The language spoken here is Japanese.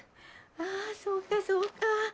あそうかそうか。